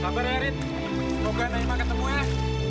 sabar ya rid semoga neiman ketemu ya